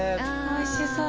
おいしそう。